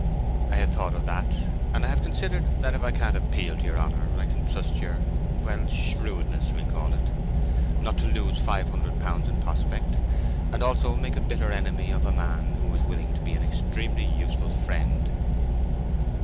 "I had thought of that, and I have considered that if I can't appeal to your honour I can trust to your—well, shrewdness we'll call it—not to lose five hundred pounds in prospect, and also make a bitter enemy of a man who is willing to be an extremely useful friend."